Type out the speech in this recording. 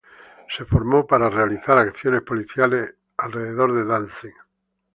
Se formó para realizar acciones policiales en y alrededor de Danzig.